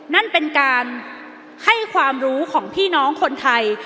นั่นเป็นการให้ความรู้ของพี่น้องคนไทย